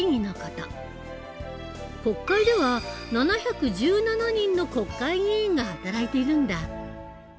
国会では７１７人の国会議員が働いているんだ。